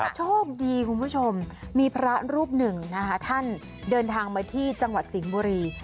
โชคดีคุณผู้ชมมีพระรูปหนึ่งนะคะท่านเดินทางมาที่จังหวัดสิงห์บุรี